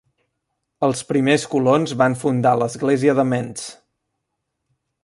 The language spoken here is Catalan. Els primers colons van fundar l'església de Mentz.